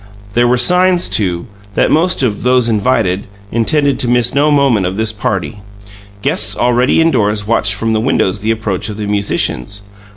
There were signs, too, that most of "those invited" intended to miss no moment of this party; guests already indoors watched from the windows the approach of the musicians.